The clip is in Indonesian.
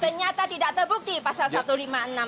ternyata tidak terbukti pasal satu ratus lima puluh enam